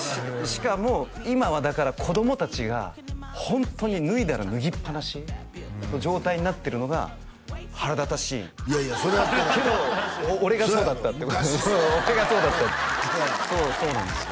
しかも今はだから子供達がホントに脱いだら脱ぎっぱなしの状態になってるのが腹立たしいいやいやそれやったらけど俺がそうだったってことそう俺がそうだったそうそうなんですよ